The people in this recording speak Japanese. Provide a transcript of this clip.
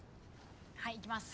はいいきます。